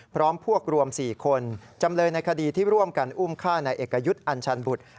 พร้อมพวกรวม๔คนจำเลยในคดีที่ร่วมกันอุ้มฆ่าในเอกยุทธ์อัญชันบุตร